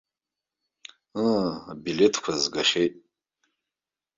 Ыы, абилеҭкәа згахьеит.